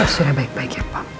sudah baik baik ya pak